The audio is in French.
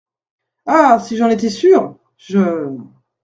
Ah ! si j’en étais sûre !… je…